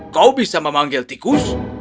kau bisa memanggil tikus